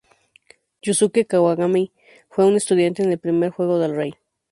Yusuke Kawakami fue un estudiante en el primer juego del rey.